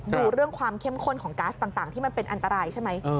ดูเรื่องความเข้มข้นของก๊าซต่างที่มันเป็นอันตรายใช่ไหม